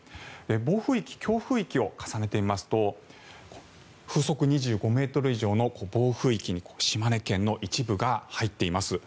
暴風域、強風域を重ねてみますと風速２５ｍ以上の暴風域に島根県の一部が入っています。